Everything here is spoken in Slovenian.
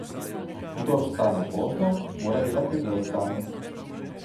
Kdor vstane pozno, mora delati ves dan.